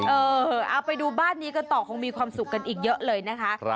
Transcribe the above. เออเอาไปดูบ้านนี้กันต่อคงมีความสุขกันอีกเยอะเลยนะคะ